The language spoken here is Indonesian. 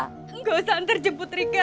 tidak usah menjemput rika